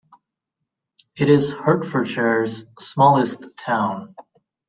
It is Hertfordshire's smallest town.